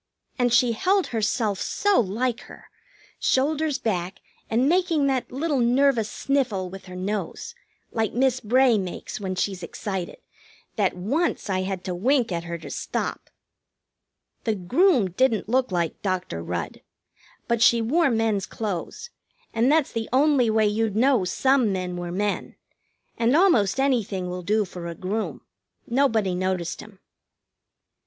And she held herself so like her, shoulders back, and making that little nervous sniffle with her nose, like Miss Bray makes when she's excited, that once I had to wink at her to stop. The groom didn't look like Dr. Rudd. But she wore men's clothes, and that's the only way you'd know some men were men, and almost anything will do for a groom. Nobody noticed him.